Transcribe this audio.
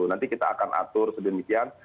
nanti kita akan atur sedemikian